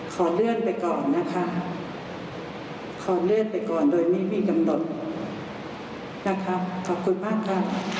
ขอเลื่อนไปก่อนนะคะขอเลื่อนไปก่อนโดยไม่มีกำหนดนะคะขอบคุณมากค่ะ